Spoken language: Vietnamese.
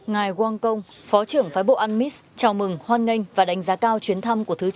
ngài quang công phó trưởng phái bộ an mis chào mừng hoan nghênh và đánh giá cao chuyến thăm của thứ trưởng